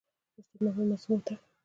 استاد محمد معصوم هوتک